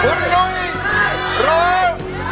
คุณนุ้ยร้อง